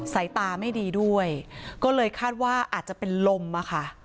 สายตาไม่ดีด้วยก็เลยคาดว่าอาจจะเป็นลมอะค่ะ